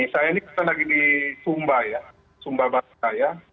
saya ini kita lagi di sumba ya sumba barat ya